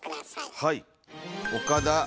はい。